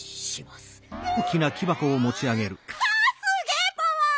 すげえパワー！